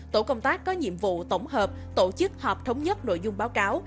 tổ công tác có nhiệm vụ tổng hợp tổ chức họp thống nhất nội dung báo cáo